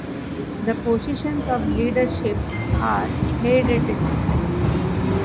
The positions of leadership are hereditary.